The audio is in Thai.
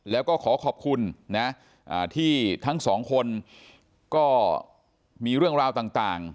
แล้วก็ขอขอบคุณนะที่ทั้งสองคนก็มีเรื่องราวต่าง